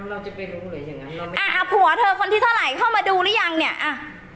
อ่าเราจะไปรู้เลยอย่างงั้นอ่าผัวเธอคนที่เท่าไหร่เข้ามาดูหรือยังเนี้ยอ่า